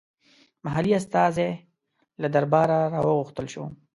محلي استازی له درباره راوغوښتل شو.